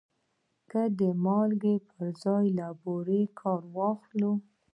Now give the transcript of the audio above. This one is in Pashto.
که د مالګې پر ځای له بورې کار واخلو؟